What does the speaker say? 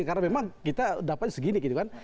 karena memang kita dapat segini gitu kan